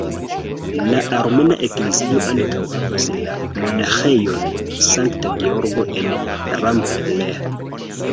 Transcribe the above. La Armena Eklezio ankaŭ havas la monaĥejon Sankta Georgo en Ramleh.